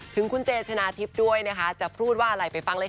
ถึงคุณเจชนะทิพย์ด้วยนะคะจะพูดว่าอะไรไปฟังเลยค่ะ